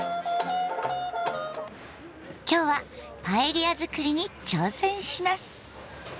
今日はパエリア作りに挑戦します。